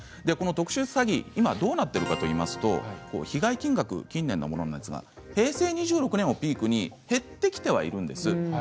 こうした特殊詐欺今どうなっているかといいますと被害金額、近年のものなんですが平成２６年をピークに減ってきてはいるんです。